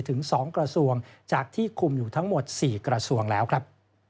ถึง๒กระทรวงจากที่คุมอยู่ทั้งหมด๔กระทรวงแล้วครับ